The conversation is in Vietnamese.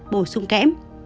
bổ sung kém